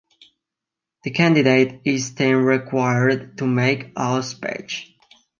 The candidate is then required to make a speech.